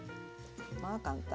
まあ簡単。